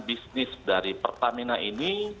bisnis dari pertamina ini